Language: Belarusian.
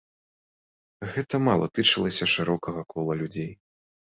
Гэта мала тычылася шырокага кола людзей.